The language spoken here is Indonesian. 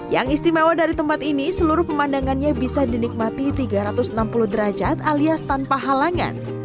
yang istimewa dari tempat ini seluruh pemandangannya bisa dinikmati tiga ratus enam puluh derajat alias tanpa halangan